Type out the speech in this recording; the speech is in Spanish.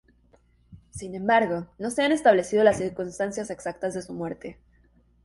Sin embargo, no se han establecido las circunstancias exactas de su muerte.